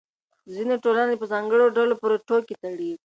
ځینې ټولنې په ځانګړو ډلو پورې ټوکې تړي.